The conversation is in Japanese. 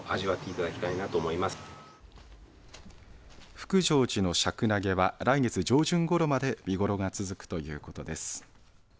福成寺のシャクナゲは来月上旬ごろまで見頃が続くということです。